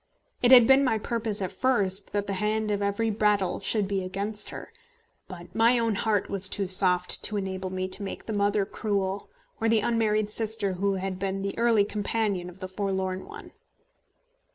It had been my purpose at first that the hand of every Brattle should be against her; but my own heart was too soft to enable me to make the mother cruel, or the unmarried sister who had been the early companion of the forlorn one.